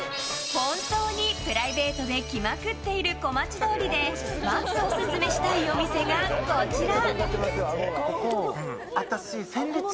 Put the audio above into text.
本当にプライベートで来まくっている小町通りでまずオススメしたいお店がこちら！